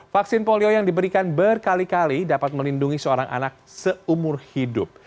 vaksin polio yang diberikan berkali kali dapat melindungi seorang anak seumur hidup